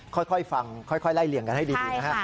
ค่อยฟังค่อยไล่เลี่ยงกันให้ดีนะฮะ